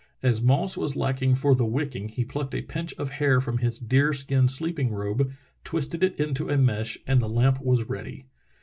As moss was lacking for the wicking, he plucked a pinch of hair from his deerskin sleeping robe, twisted it into a mesh, and the lamp was ready.